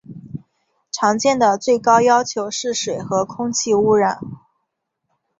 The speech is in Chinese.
常见的最高要求是水和空气污染。